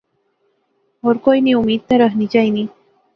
ہور کوئی نی امید تے رخنی چاینی